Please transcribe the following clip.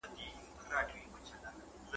په ښاخلو کي یې جوړ کړي وه کورونه ,